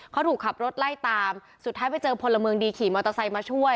เขาถูกขับรถไล่ตามสุดท้ายไปเจอพลเมืองดีขี่มอเตอร์ไซค์มาช่วย